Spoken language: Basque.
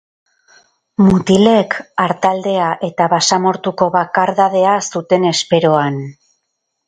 Mutilek artaldea eta basamortuko bakardadea zuten esperoan.